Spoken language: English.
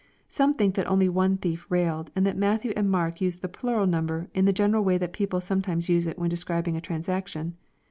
Some thin^ that only one thief railed, and that Matthew and Mark usa the plural number, in the general way that people sometimes use it. when describing a transaction.